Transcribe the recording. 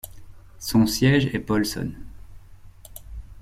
Son siège est Polson.